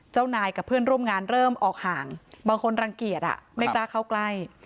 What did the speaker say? เจ้านายกับเพื่อนร่วมงานเริ่มออกห่างบางคนรังเกียจไม่กล้าเข้าใกล้